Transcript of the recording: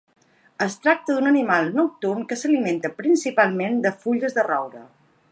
Es tracta d'un animal nocturn que s'alimenta principalment de fulles de roure.